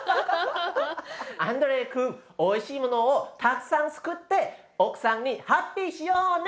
アンドレ君おいしいものをたくさんつくって奥さんにハッピーしようね。